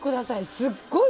すっごい！